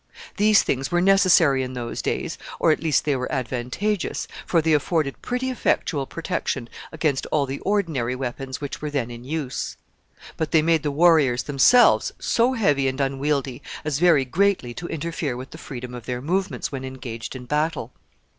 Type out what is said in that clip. These things were necessary in those days, or at least they were advantageous, for they afforded pretty effectual protection against all the ordinary weapons which were then in use. But they made the warriors themselves so heavy and unwieldy as very greatly to interfere with the freedom of their movements when engaged in battle.